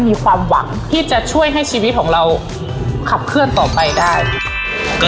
มีความหวังที่จะช่วยให้ชีวิตของเราขับเคลื่อนต่อไปได้